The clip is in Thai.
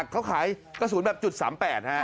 เขาขายกระสุนแบบจุด๓๘ฮะ